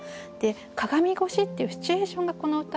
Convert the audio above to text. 「鏡越し」っていうシチュエーションがこの歌